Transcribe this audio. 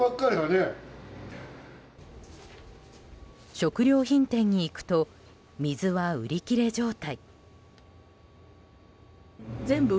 食料品店に行くと水は売り切れ状態。